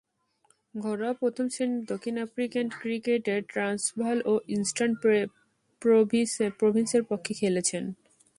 ঘরোয়া প্রথম-শ্রেণীর দক্ষিণ আফ্রিকান ক্রিকেটে ট্রান্সভাল ও ইস্টার্ন প্রভিন্সের পক্ষে খেলেছেন।